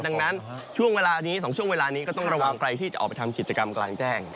ดังนั้นช่วงเวลานี้๒ช่วงเวลานี้ก็ต้องระวังใครที่จะออกไปทำกิจกรรมกลางแจ้ง